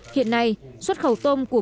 hiện nay xuất khẩu tôm của